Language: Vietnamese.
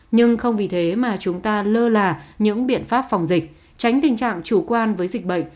nhưng không vì thế mà chúng ta lơ là những biện pháp phòng dịch tránh tình trạng chủ quan với dịch bệnh